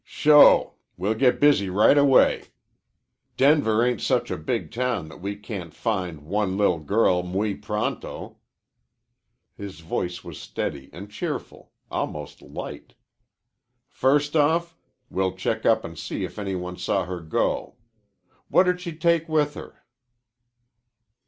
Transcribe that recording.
"Sho! We'll get busy right away. Denver ain't such a big town that we can't find one li'l' girl muy pronto." His voice was steady and cheerful, almost light. "First off, we'll check up an' see if any one saw her go. What did she take with her?"